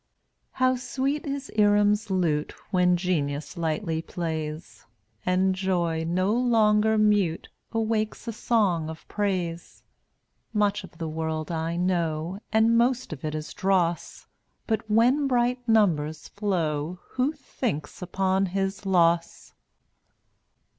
174 How sweet is Iram's lute When Genius lightly plays> And Joy, no longer mute, Awakes a song of praise. Much of the world I know And most of it is dross, But when bright numbers flow Who thinks upon his loss